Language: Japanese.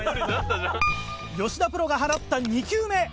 吉田プロが放った２球目。